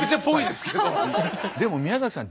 でも宮崎さん